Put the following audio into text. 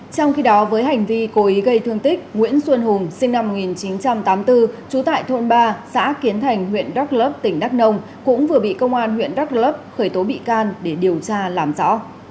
trong khi đó với hành vi cố ý gây thương tích nguyễn xuân hùng sinh năm một nghìn chín trăm tám mươi bốn trú tại thôn ba xã kiến thành huyện đắk lớp tỉnh đắk nông cũng vừa bị công an huyện đắk lấp khởi tố bị can để điều tra làm rõ